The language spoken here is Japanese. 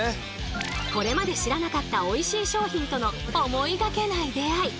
これまで知らなかったおいしい商品との思いがけない出会い。